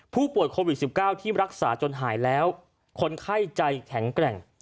ผู้ป่วยโควิด๑๙ที่รักษาจนหายแล้วคนไข้ใจแข็งแกร่ง